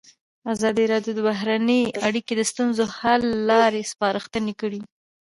ازادي راډیو د بهرنۍ اړیکې د ستونزو حل لارې سپارښتنې کړي.